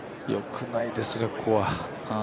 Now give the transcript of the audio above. よくないですね、ここは。